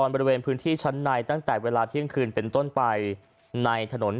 บริเวณพื้นที่ชั้นในตั้งแต่เวลาเที่ยงคืนเป็นต้นไปในถนน